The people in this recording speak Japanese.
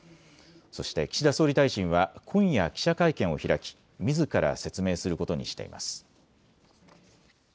そして岸田総理大臣は今夜、記者会見をを開きみずから説明することにしています。